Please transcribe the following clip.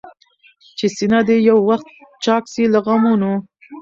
چي سينه دي يو وخت چاك سي له غمونو؟